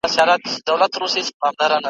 شپې مو په کلونو د رڼا په هیله ستړي کړې `